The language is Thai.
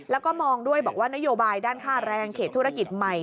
และมองด้วยนโยบายด้านค่าแรงเขตธุรกิจใหม่